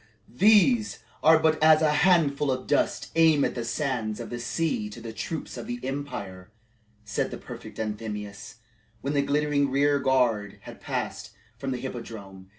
"These are but as a handful of dust amid the sands of the sea to the troops of the empire," said the prefect Anthemius, when the glittering rear guard had passed from the Hippodrome.